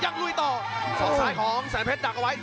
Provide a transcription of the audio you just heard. ยังหลุยต่อตรวจซ้ายของแสนเพชรดักเอาไว้